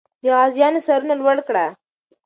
د غازیانو سرونه لوړ کړه.